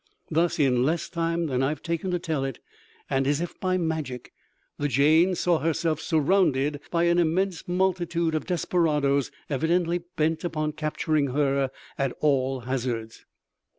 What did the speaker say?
Thus, in less time than I have taken to tell it, and as if by magic, the Jane saw herself surrounded by an immense multitude of desperadoes evidently bent upon capturing her at all hazards.